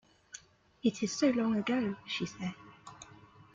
“It is so long ago,” she said.